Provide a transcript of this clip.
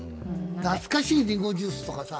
懐かしいりんごジュースとかさ。